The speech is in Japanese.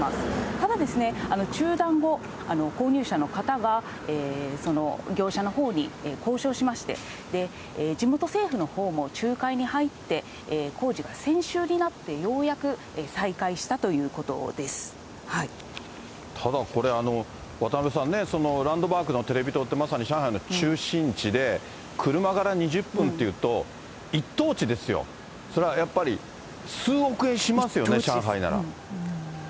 ただですね、中断後、購入者の方が、業者のほうに交渉しまして、地元政府のほうも仲介に入って工事が先週になってようやく再開しただこれ、渡辺さんね、ランドマークのテレビ塔って、まさに上海の中心地で、車から２０分っていうと、一等地ですよ、それはやっぱり数億円しますよね、上海なら。